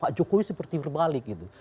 pak jokowi seperti berbalik gitu